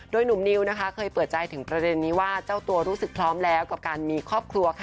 โดยหนุ่มนิวนะคะเคยเปิดใจถึงประเด็นนี้ว่าเจ้าตัวรู้สึกพร้อมแล้วกับการมีครอบครัวค่ะ